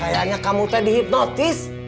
kayaknya kamu teh dihipnotis